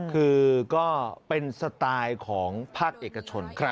คือก็เป็นสไตล์ของภาคเอกชน